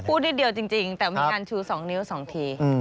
นิดเดียวจริงแต่มีการชู๒นิ้ว๒ที